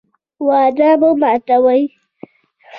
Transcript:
وعده مه ماتوئ